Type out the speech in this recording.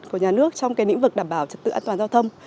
của nhà nước trong cái lĩnh vực đảm bảo trật tự an toàn giao thông